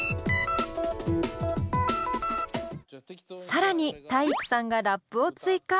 更に体育さんがラップを追加。